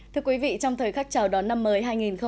thưa quý vị trong thời khắc chào đón năm mới hai nghìn hai mươi